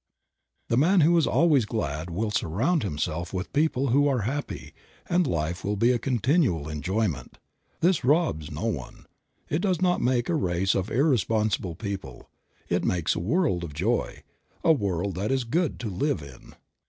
The man who is always glad will surround himself with people who are happy, and life will be a continual enjoy ment. This robs no one ; it does not make a race of irre sponsible people; it makes a world of joy, a world that is good to live in.